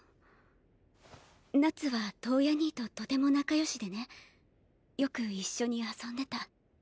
夏は燈矢兄ととても仲良しでねよく一緒に遊んでた。